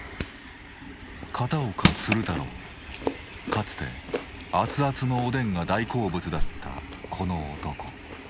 かつて熱々のおでんが大好物だったこの男。